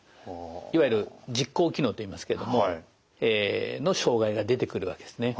いわゆる実行機能といいますけどもええの障害が出てくるわけですね。